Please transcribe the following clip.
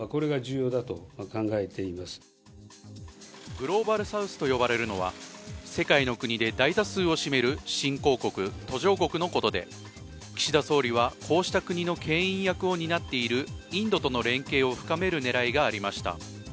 グローバルサウスと呼ばれるのは、世界の国で大多数を占める新興国・途上国のことで岸田総理はこうした国の牽引役を担っているインドとの連携を深める狙いがありました。